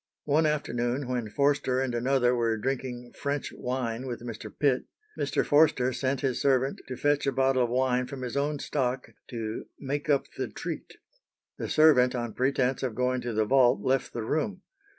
One afternoon, when Forster and another were drinking "French wine" with Mr. Pitt, Mr. Forster sent his servant to fetch a bottle of wine from his own stock to "make up the treat." The servant on pretence of going to the vault left the room.